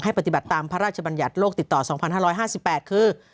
ปฏิบัติตามพระราชบัญญัติโลกติดต่อ๒๕๕๘คือ